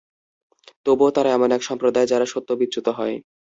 তবুও তারা এমন এক সম্প্রদায় যারা সত্য-বিচ্যুত হয়।